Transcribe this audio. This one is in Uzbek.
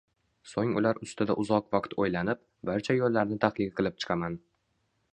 So‘ng ular ustida uzoq vaqt o‘ylanib, barcha yo‘llarni tahlil qilib chiqaman.